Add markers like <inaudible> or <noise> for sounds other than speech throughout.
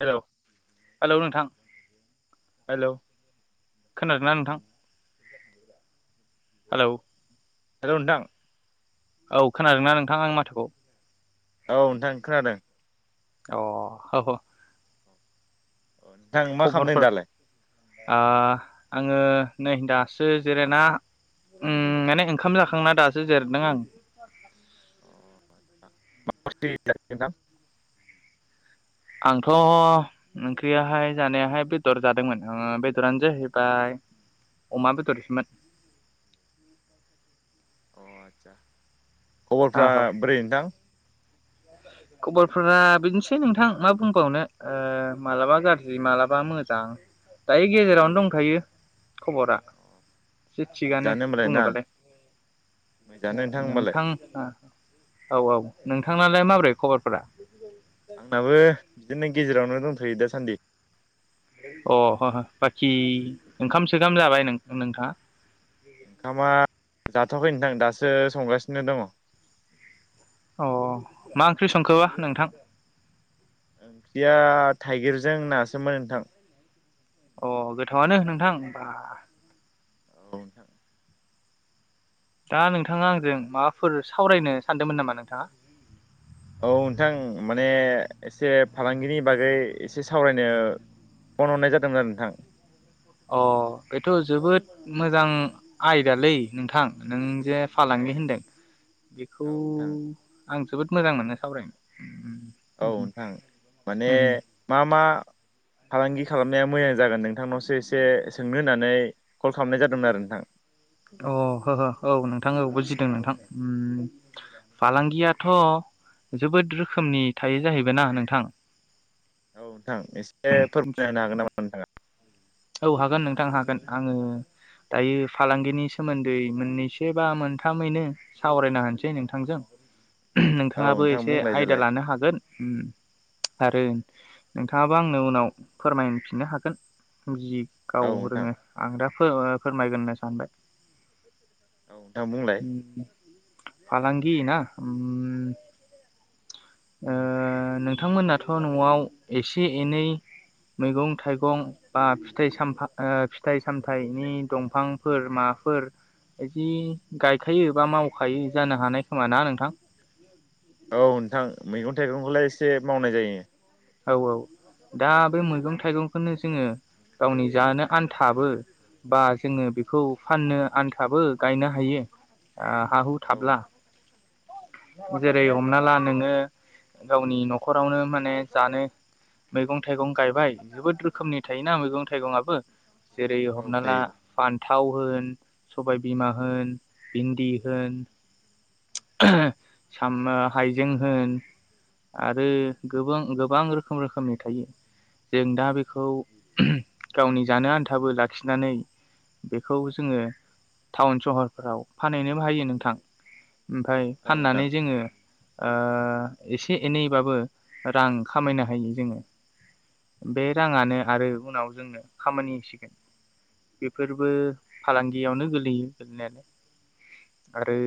हेल' hello नोंथां हेल' खोनादोना नोंथां? हेल' हेल नोंथां औ खोनादोंना नोंथां आंनि माथोखौ? औ नोंथां खोनादों अ औ अ नोंथां मा खालामदों खबरफोर दालाय? ओ आङो नै दासो जिरायना उम माने ओंखाम जाखांना दासो जिरेदों आं मा ओंख्रि जानाय नोंथां? आंथ' ओंख्रियाहाय जानायाहाय बेदर जादोंमोन ओ बेदरानो जाहैबाय अमा बेदरसोमोन अ आदसा खबरफ्रा औ बोरै नोंथां? खबरफोरा बिदिनोसै नोंथां मा बुंबावनो ओ मालाबा गाज्रि मालाबा मोजां दायो गेजेरावनो दंखायो खबरा एसे थिगानो मोजाङानो होमबालाय ना बुङोबालाय ओ मोजाङानो होमबालाय नोंथां ओ औ औ नोंथां थांनालाय माबोरै खबरफोरा? आंनाबो बिदिनो गेजेरावनो दंथयो दासान्दि। अ हा बाखि ओंखाम सोखाम जाबाय नोंथाङा? ओंखामा जाथ'वाखै नोंथां दासो संगासिनो दङ'। अ मा ओंख्रि संखोबा नोंथां? ओंख्रिया थाइगिरजों ना सोमोन नोंथां। अ गोथावनो नोंथां बाह। औ नोंथां। दा नोंथाङा आंजों माबाफोर सावरायनो सानदोंमोन नामा नोंथाङा? औ नोंथां माने एसे फालांगिनि बागै एसे सावरायनो फन हरनाय जादोंमोन आरो नोंथां। अ' बेथ' जोबोद मोजां आयदालै नोंथां नों जे औ फालांगि होनदों बेखौ औ नोंथां आं जोबोद मोजां मोनो सावरायनो। औ नोंथां माने मा मा फालांगि खालामनाया मोजां जागोन नोंथांनावसो एसे सोंनो होननानै कल खालामनाय जादोंमोन आरो नोंथां अ' हो हो औ नोंथांबो बुजि दों नोंथां फालांगियाथ' जोबोद रोखोमनि थायो जाहैबायना नोंथां। औ नोंथां एसे एसे फोरमायना होनो हागोन नामा नोंथाङा? औ हागोन नोंथां हागोन आङो दायो फालांगिनि सोमोन्दै मोननैसो बा मोनथामैनो सावरायना होनोसै नोंथांजों। नोंथांङाबो हागोन नामा नोंथाङा औ नोंथां एसे बुंलाय आयदा देलाय लानो हागोन। आरो नोंथांङाबो आंनो उनाव फोरमायफिननो हागोन। फुनजि गाव औ नोंथां रोङो आं दा फोरमायगोन होनना सानबाय औ दा बुंलाय फालांगि ना ओ नोंथांमोनाथ' न'आव एसे एनै मैगं थाइगं बा फिथाइ सामफा ओ फिथाइ सामथाइनि दंफांफोर माफोर बिदि गायखायो बा मावखायो जानो हानाय खोमा ना नोंथां? औ नोंथां मैगं थाइगंखौलाइ एसे मावनाय जायो। औ औ। दा बे औ मैगं थाइगंखौनो जोङो गावनि जानो आनथाबो बा जोङो बेखौ फाननो आनथाबो गायनो हायो। आह हा हु थाब्ला! औ जेरै हमना ला नोंङो गावनि न'खरावनो माने जानो मैगं थाइगं गायबाय जोबोद रोखोमनि थायोना मैगं थाइगंआबो। जेरै औ हमनाला थायो फान। थाव होन सबायबिमा होन भिन्दि होन। सामा हाइजेंहोन आरो गोबां रोखोम रोखोमनि थायो जों दा बेखौ गावनि जानो आन्थाबो लाखिनानै बेखौ जोङो टाउन सहरफ्राव फानहैनो बाहायो नोंथां। ओमफ्राय औ नोंथां फाननानै जोङो एसे एनैबाबो रां खामायनो हायो जोंङो बे राङानो आरो उनाव जोंनो खामानिसिगोन बेफोरबो फालांगियावनो गोलैयो गोलैनायालाय आरो।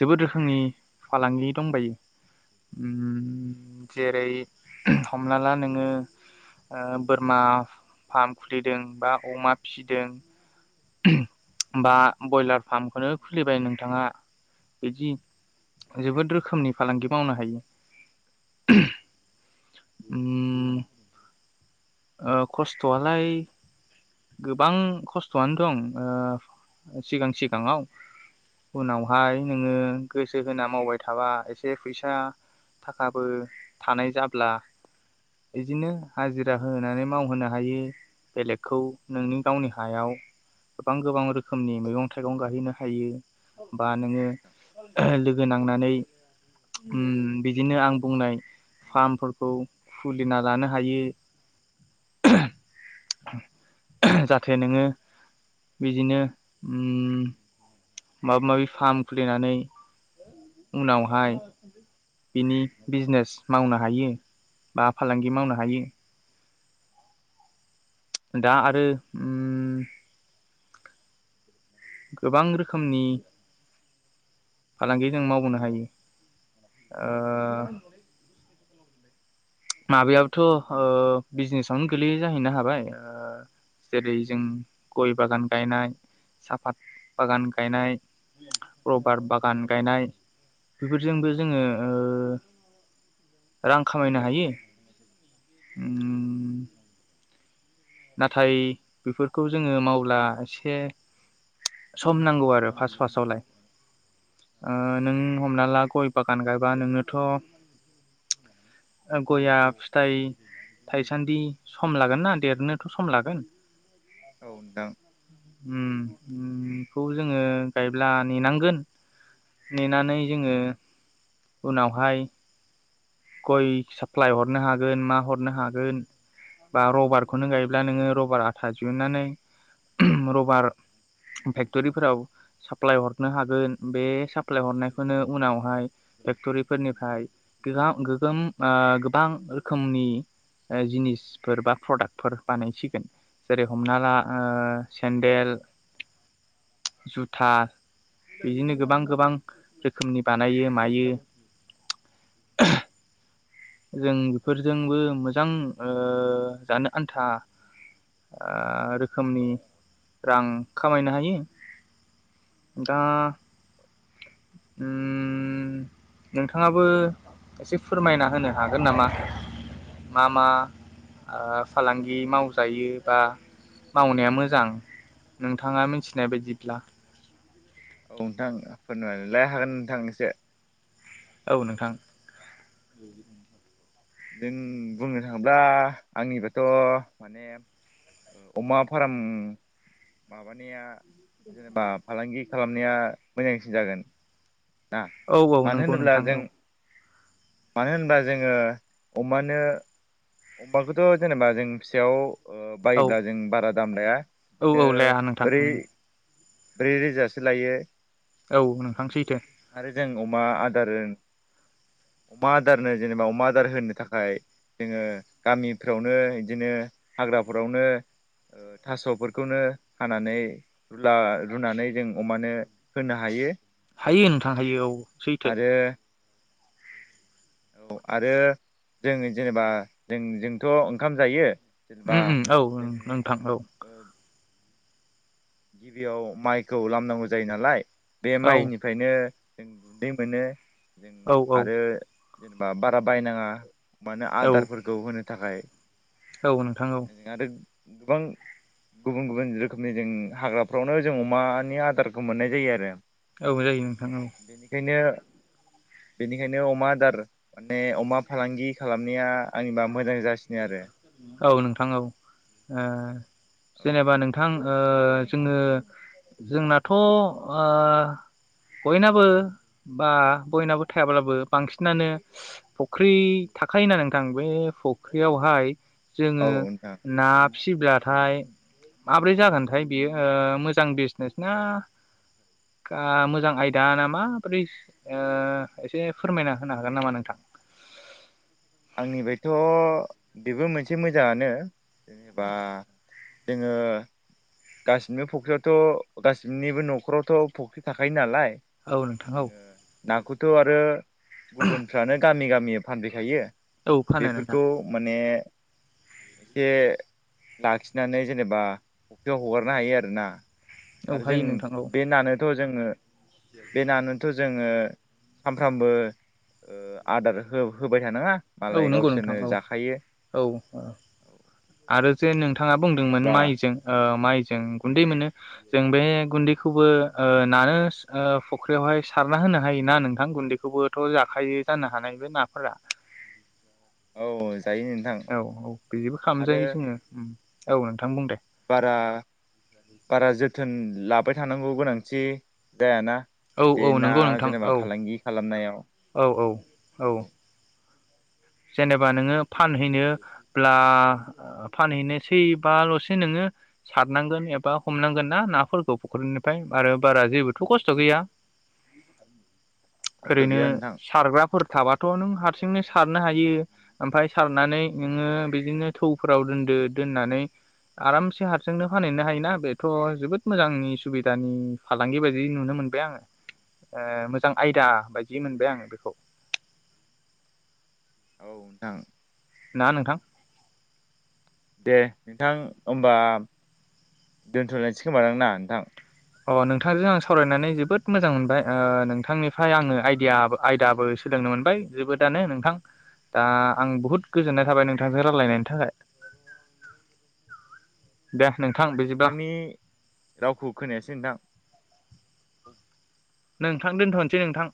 जोबोद रोखोमनि फालांगि दंबायो जेरै हमना ला नोंङो बोरमा फार्म खुलिदों बा अमा फिसिदों। बा बयलार फार्मखौनो खुलिबाय नोंथांङा बिदि जोबोद रोखोमनि फालांगि मावनो हायो खस्थ'आलाय। गोबां खस्थ'आनो दं सिगां सिगाङाव उनावहाय नोंङो गोसो होना मावबाय थाबा एसे फैसा थाखाबो थानाय जाब्ला बिदिनो हाजिरा होनानै मावहोनो हायो बेलेगखौ। नोंनि गावनि हायाव गोबां गोबां रोखोमनि मैगं थाइगं गायहैनो हायो बा औ नोंङो लोगो नांनानै बिदिनो आं बुंनाय फार्मफोरखौ खुलिना लानो हायो। जाहाथे नोंङो बिदिनो माबा माबि फार्म खुलिनानै उनावहाय बिनि बिजनेस मावनो हायो बा फालांगि मावनो हायो। दा आरो ओम। गोबां रोखोमनि। फालांगि जों मावबोनो हायो। औ नोंथां। माबायाबथ' बिजनेसावनो गोल्लैय जाहैनो हाबाय जेरै जों गय बागान गायनाय साफात बागान गायनाय रबार बागान गायनाय बेफोरजोंबो जोंङो रां खामायनो हायो। उम। नाथाय बेफोरखौ जोंङो मावब्ला एसे सम नांगौ आरो फास्स्ट फास्स्टआवलाय नों हमना ला गय बागान गायबा नोंनोथ' गया फिथाइ थाइसान्दि सम लागोन ना देरनो। थ' स'म लागोन। औ नोंथां। खौ जोंङो गायब्ला नेनांगोन नेनानै जोङो उनावहाय गय साप्लाय हरनो हागोन मा हरनो हागोन बा रबारखौनो गाय। ब्ला नोंङो रबार आथा दिहुननानै रबार फेक्टरिफोराव साप्लाय हरनो हागोन बे साप्लाय हरनायखौनो उनावहाय फेक्टरिफोरनिफ्राय गोगोम गोबां रोखोमनि जिनिसफोर बा प्रडाक्टफोर बानायसिगोन जेरै हमना ला सेन्देल जुथा बिदिनो गोबां गोबां रोखोमनि बानायो मायो। जों बेफोरजोंबो मोजां जानो आन्था रोखोमनि रां खामायनो हायो दा नोंथांङाबो एसे फोरमायना होनो हागोन नामा मा मा फालांगि मावजायो बा मावनाया मोजां नोंथांङा मिथिनाय बायदिब्ला औ नोंथां फोरमाय लाय हागोन नोंथां एसे औ नोंथां। जों बुंनो थाङोब्ला आंनिबथ' माने अमा फार्म माबानाया। जेनेबा फालांगि। खालामनाया मोजांसिन जागोन। ना औ औ मानो नंगौ होनोब्ला नोंथां जों औ। मानो होनबा जोङो अमानो। अमाखौथ' जेनेबा जों फिसयाव। औ बायोब्ला जों बारा दाम लाया औ बिदिनो औ लाया नोंथां बोरै। उम ब्रै रोजासो लायो। औ नोंथांसैथो। आरो जों अमा आदार अमा आदारनो जेनेबा अमा आदार होनो थाखाय जोङो। गामिफ्रावनो बिदिनो हाग्राफोरावनो थास'फोरखौनो हानानै रुला रुनानै जों अमानो होनो हायो। हायो नोंथां हायो औ सैथो। आरो औ आरो जोंनि जेनेबा। जों जोंथ' ओंखाम जायो। जेनेबा उम उम औ नोंथां औ जों। गिबियाव माइखौ लामनांगौ जायो नालाय बे औ माइनिफ्रायनो जों गुन्दै मोनो। जों औ आरो जेनेबा बारा बायनाङा। माने औ आदारफोरखौ होनो नि थाखाय औ नोंथां औ। आरो गोबां गुबुन गुबुन रोखोमनि जों हाग्राफ्रावनो जों अमानि आदारखौ मोननाय जायो आरो। औ जायो नोंथां औ। बेनिखायनो बेनिखायनो अमा आदार माने अमा फालांगि खालामनाया आंनिबा मोजां जासिनो आरो। औ नोंथां औ ओ जेनेबा औ नोंथां ओ जोङो जोंनाथ' ओ बयनाबो बा बयनाबो थायाब्लाबो बांसिनानो फख्रि थाखायोना नोंथां बे फख्रियावहाय औ जोङो नोंथां ना। फिसिब्लाथाय माबोरै जागोनथाय बियो ओ मोजां बिजनेस ना मोजां आयदा ना माबोरै ओ एसे फोरमायना होनो हागोन नामा नोंथां? आंनिफ्रायथ' बेबो मोनसे मोजाङानो। <unintelligible> जोङो गासिनिबो फख्रियावथ' गासिनिबो न'खरावथ' फख्रि थाखायो नालाय औ नोंथां औ। जोङो नाखौथ' आरो। गुबुनफ्रानो गाननि गाम मिया फानफैखायो। औ फानो नोंथां बेफोरखौ माने एसे लाखिनानै जेनेबा बेयाव हगारनो हायो आरो ना। औ आरो जों हायो नोंथां औ बे नानोथ' जोङो बे नानोथ' जोङो सामफ्रामबो ओ आदार हो होबाय थानाङा औ मालाय नंगौ नोंथां गावसोरनो औ जाखायो - औ - औ आरो जे नोंथा बिथाङा बुंदोंमोन आंनिबा माइजों ओ माइ जों गुन्दै मोनो जों बे गुन्दैखौबो औ ओ नानोस ओ फख्रियावहाय सारना होनो हायोना नोंथां गुन्दैखौबोथ' जाखायो जानो हानाय बे नाफोरा। औ जायो नोंथां औ - औ बिदिबो आरो खालामामजायो जोङो ओम। औ नोंथां बुं दे। बारा - बारा जोथोन <unintelligible> <unintelligible> थानांगौ गोनांथि जायाना? औ बे - औ ना नंगौ नोंथां जेनेबा औ फालांगि खालामनायाव - औ - औ - औ। जेनेबा नोङो फानहैनोब्ला फानहैनोसैबाल'सो नोङो सारनांगोन एबा हमनांगोन ना नाफोरखौ फ'ख्रिनिफाय आरो बारा जेबोथ' खस्थ' गैया। खस्थ' ओरैनो गैया नोंथां सारग्राफोर थाबाथ' नों हारसिंनो <unintelligible> <unintelligible> हायो ओमफाय सारनानै नोङो बिदिनो थौफोराव दोनदो दोननानै आरामसे हारसिंनो फानहैनो हायोना बेथ' जोबोद मोजांनि सुबिदानि फालांगि बायदि नुनो मोनबाय आङो ओ मोजां आयदा बायदि मोनबाय आङो बेखौ। औ नोंथां। ना नोंथां? दे नोंथां होमबा दोन्थ'लायनोसै खोमादां ना नोंथां? अ नोंथांजों आं सावरायनानै जोबोद मोजां मोनबाय। ओ नोंथांनिफ्राय आङो आइदिया आयदाबो सोलोंनो मोनबाय जोबोदानो नोंथां दा आं बुहुद गोजोननाय थाबाय नोंथांजों रायलायनायनि थाखाय दे। नोंथां बिदिब्ला नोंथांनि रावखौ खोनायासै नोंथां। औ। नोंथां दोनथ'नोसै नोंथां।